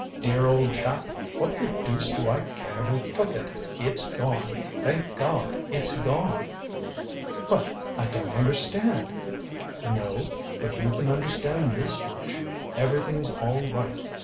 "Dear old chap. What the deuce do I care who took it. It's gone. Thank God it's gone." "But I don't understand " "No. But you can understand this much. Everything's all right.